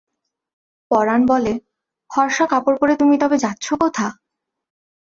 পরাণ বলে, ফরসা কাপড় পরে তুমি তবে যাচ্ছ কোথা?